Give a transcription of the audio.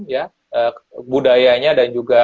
ya budayanya dan juga